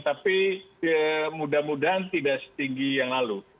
tapi mudah mudahan tidak setinggi yang lalu